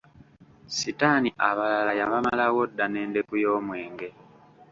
Sitaani abalala yabamalawo dda, n'endeku y'omwenge!